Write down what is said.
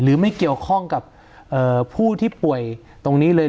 หรือไม่เกี่ยวข้องกับผู้ที่ป่วยตรงนี้เลย